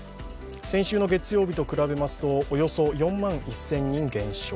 先週の月曜日と比べますとおよそ４万１０００人減少。